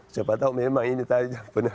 siapa tahu memang ini tadi